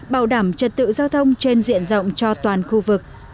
bảo đảm trật tự giao thông trên diện rộng cho toàn khu vực